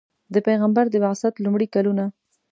د پیغمبر د بعثت لومړي کلونه.